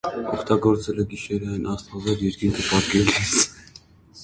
Օգտագործել է գիշերային, աստղազարդ երկինք պատկերելիս։